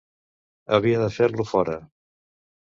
Havia de fer-lo fora.